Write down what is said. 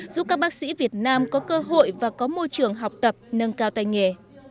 giúp các bác sĩ việt nam có cơ hội và có môi trường học tập nâng cao tay nghề